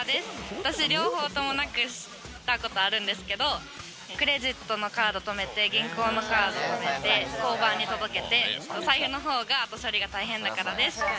私両方ともなくしたことあるんですけど、クレジットのカード止めて、銀行のカード止めて、交番に届けて、お財布のほうが後処理が大変だからです。